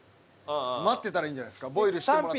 待ってたらいいんじゃないですかボイルしてもらってる間。